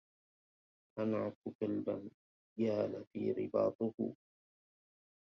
أنعت كلبا جال في رباطه